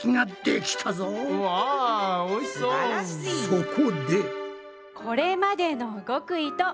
そこで。